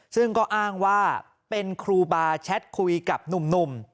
ซึ่งก็อ้างว่าเป็นครูบาแชทคุยกับหนุ่ม